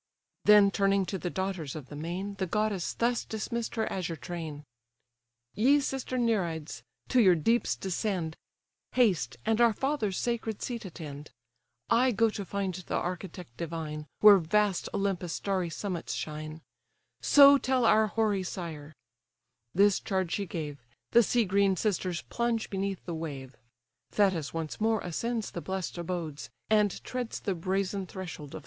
Then turning to the daughters of the main, The goddess thus dismiss'd her azure train: "Ye sister Nereids! to your deeps descend; Haste, and our father's sacred seat attend; I go to find the architect divine, Where vast Olympus' starry summits shine: So tell our hoary sire"—This charge she gave: The sea green sisters plunge beneath the wave: Thetis once more ascends the bless'd abodes, And treads the brazen threshold of the gods.